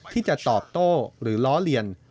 ที่จะตอบโต้หรือล้อเลียน